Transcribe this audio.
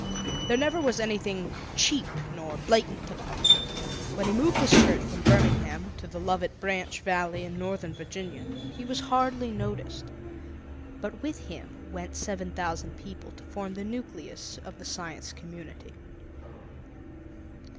There never was anything cheap nor blatant about him. When he moved his church from Birmingham to the Lovett Branch Valley in northern Virginia, he was hardly noticed. But with him went seven thousand people, to form the nucleus of the Science Community.